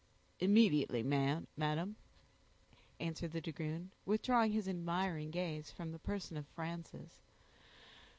"Immediately, madam," answered the dragoon, withdrawing his admiring gaze from the person of Frances.